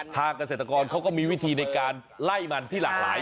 เกษตรกรเขาก็มีวิธีในการไล่มันที่หลากหลาย